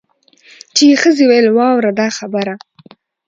چي یې ښځي ویل واوره دا خبره